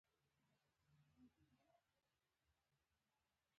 زه نه پوهېږم، نیم علم دی.